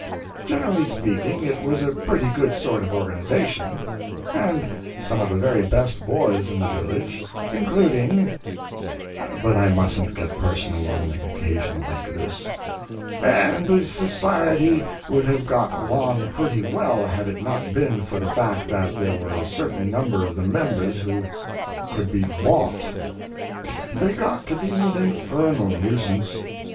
Generally speaking it was a pretty good sort of organization, and some of the very best boys in the village, including—but I mustn't get personal on an occasion like this—and the society would have got along pretty well had it not been for the fact that there were a certain number of the members who could be bought. They got to be an infernal nuisance.